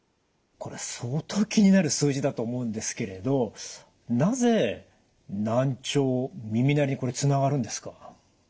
これ相当気になる数字だと思うんですけれどなぜ難聴耳鳴りにこれつながるんですか？